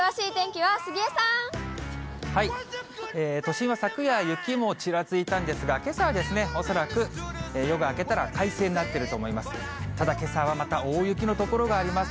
都心は昨夜、雪もちらついたんですが、けさは恐らく、夜が明けたら快晴になってると思います。